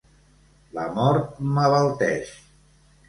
La mort m'abalteix.